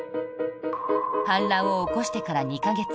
反乱を起こしてから２か月。